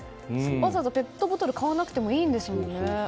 わざわざペットボトル買わなくていいんですもんね。